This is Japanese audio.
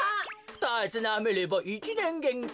ふたつなめれば１ねんげんき。